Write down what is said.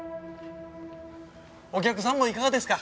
お客さんもいかがですか？